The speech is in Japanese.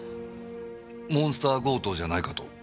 モンスター強盗じゃないかと。